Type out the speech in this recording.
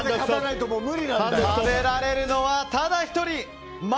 食べられるのはただ１人！